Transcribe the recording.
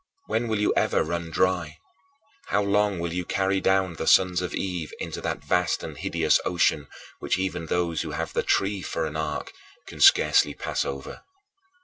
When will you ever run dry? How long will you carry down the sons of Eve into that vast and hideous ocean, which even those who have the Tree (for an ark) can scarcely pass over?